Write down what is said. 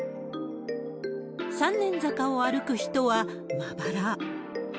三年坂を歩く人はまばら。